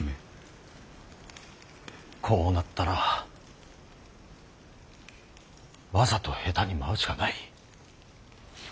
こうなったらわざと下手に舞うしかない。